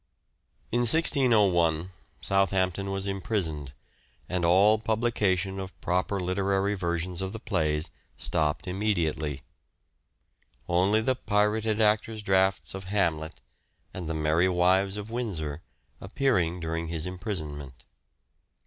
The 1602 In 1601 Southampton was imprisoned, and all suspension, publication of proper literary versions of the plays stopped immediately ; only the pirated actor's drafts of " Hamlet " and " The Merry Wives of Windsor " appearing during his imprisonment.